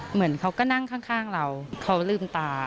เหมือนเขาก็นั่งข้างเราเขาลืมตา